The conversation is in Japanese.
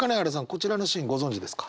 こちらのシーンご存じですか？